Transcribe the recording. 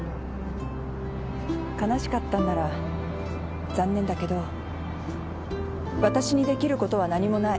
悲しかったんなら残念だけどわたしにできることは何もない。